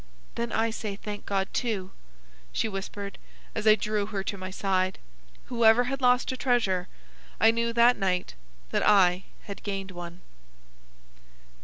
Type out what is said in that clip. '" "Then I say, 'Thank God,' too," she whispered, as I drew her to my side. Whoever had lost a treasure, I knew that night that I had gained one.